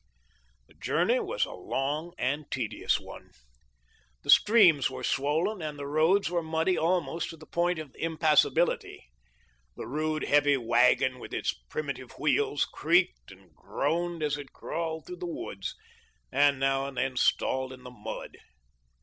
The journey was a long and tedious one ; the streams were swollen and the roads were muddy almost to the point of impassability. The rude, heavy wagon, with its primitive wheels, creaked and groaned as it crawled through the woods and now and then stalled in the mud.